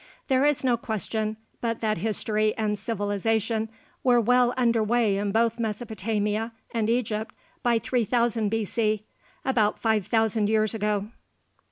There is no question but that history and civilization were well under way in both Mesopotamia and Egypt by 3000 B.C. about five thousand years ago.